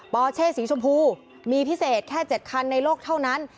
อเช่สีชมพูมีพิเศษแค่๗คันในโลกเท่านั้น